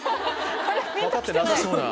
分かってなさそう。